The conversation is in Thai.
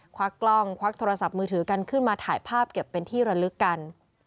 วักกล้องควักโทรศัพท์มือถือกันขึ้นมาถ่ายภาพเก็บเป็นที่ระลึกกัน